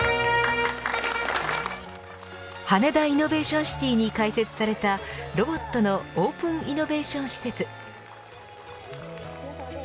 羽田イノベーションシティに開設されたロボットのオープンイノベーション施設。